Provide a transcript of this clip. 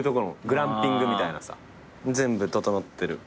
グランピングみたいなさ全部ととのってる。